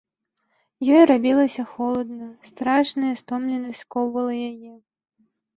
Ёй рабілася холадна, страшная стомленасць скоўвала яе.